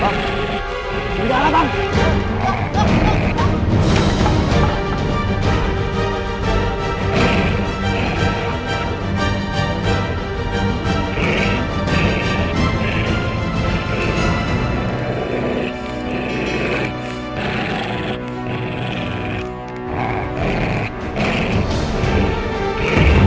enggak enggak enggak